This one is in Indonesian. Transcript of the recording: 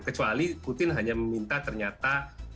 kecuali putin hanya meminta ternyata